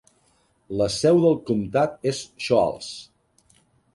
La seu del comtat és Shoals.